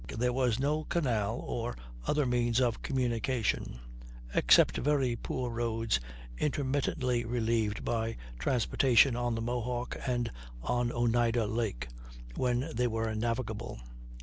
There was no canal or other means of communication, except very poor roads intermittently relieved by transportation on the Mohawk and on Oneida Lake, when they were navigable.